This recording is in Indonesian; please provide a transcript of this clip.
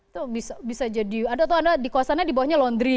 itu bisa jadi anda tahu di kosannya dibawahnya laundry